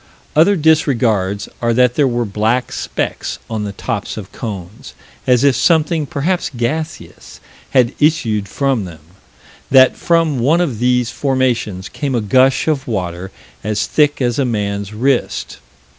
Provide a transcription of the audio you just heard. Other disregards are that there were black specks on the tops of cones, as if something, perhaps gaseous, had issued from them; that from one of these formations came a gush of water as thick as a man's wrist.